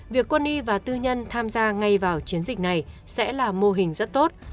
việc quân y và tư nhân tham gia ngay vào chiến dịch này sẽ là mô hình rất tốt